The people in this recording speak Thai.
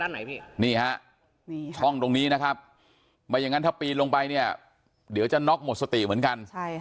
นี่ฮะช่องตรงนี้นะครับไม่อย่างนั้นถ้าปีนลงไปเนี่ยเดี๋ยวจะน็อกหมดสติเหมือนกัน